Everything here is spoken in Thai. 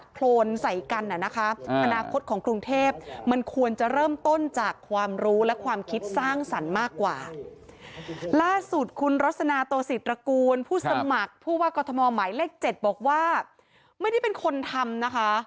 กฎมหมายเลข๗บอกว่าไม่ได้เป็นคนทำนะคะ